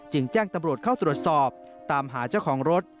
แจ้งตำรวจเข้าตรวจสอบตามหาเจ้าของรถ